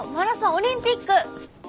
オリンピック！